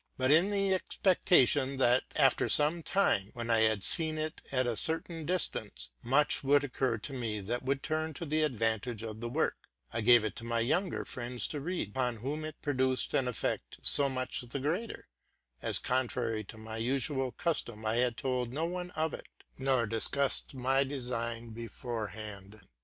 But in the expectation, that after some time, when I had seen itata certain distance, much would occur to me that would turn to the advantage of the work, I gave it to my younger friends to read, upon whom it produced an effect so much the greater, as, contrary to my usual custom, I had told no one of it, nor discovered my design beforehand.